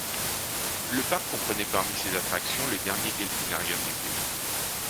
Le parc comprenait parmi ses attractions le dernier delphinarium du pays.